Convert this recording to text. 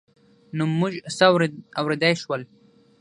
نه موږ څه اورېدای شول.